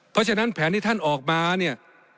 เพราะฉะนั้นแผนที่ท่านออกมาเนี่ย